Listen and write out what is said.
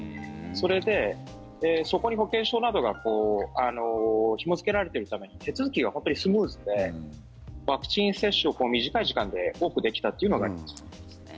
それでそこに保険証などがひも付けられているために手続きが本当にスムーズでワクチン接種を短い時間で多くできたというのがあります。